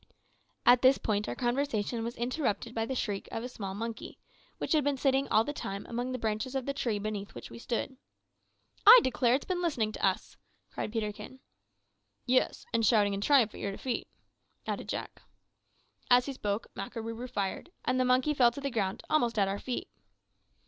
At this point our conversation was interrupted by the shriek of a small monkey, which had been sitting all the time among the branches of the tree beneath which we stood. "I declare it has been listening to us," cried Peterkin. "Yes, and is shouting in triumph at your defeat," added Jack. As he spoke, Makarooroo fired, and the monkey fell to the ground almost at our feet.